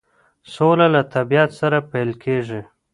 سوله له طبیعت سره پیل کیږي.